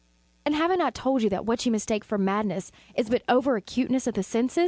And have I not told you that what you mistake for madness is but over acuteness of the sense?